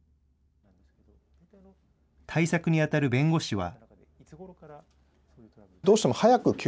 対策にあたる弁護士は。